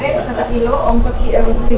persatapilo angkos kering